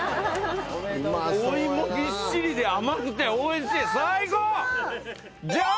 お芋ぎっしりで甘くておいしい最高！